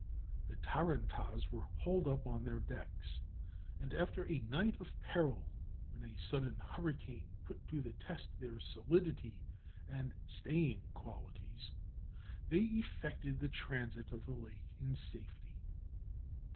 The tarantas were hauled up on their decks, and after a night of peril, when a sudden hurricane put to the test their solidity and staying qualities, they effected the transit of the lake in safety.